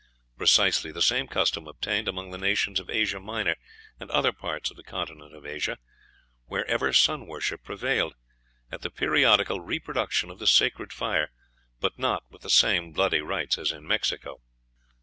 Precisely the same custom obtained among the nations of Asia Minor and other parts of the continent of Asia, wherever sun worship prevailed, at the periodical reproduction of the sacred fire, but not with the same bloody rites as in Mexico.